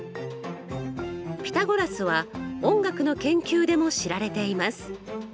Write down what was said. ピタゴラスは音楽の研究でも知られています。